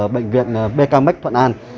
bệnh viện bkmx thuận an